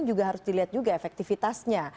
juga harus dilihat juga efektivitasnya